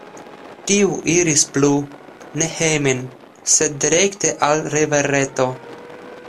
Tiu iris plu, ne hejmen, sed direkte al rivereto.